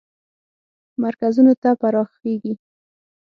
مرکزونو ته پراخیږي.